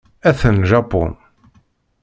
Atan Japun.